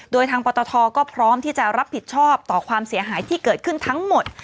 โดยทางปตทก็พร้อมที่จะรับผิดชอบต่อความเสียหายที่เกิดขึ้นทั้งหมด